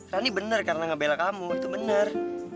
rani bener karena ngebela kamu itu bener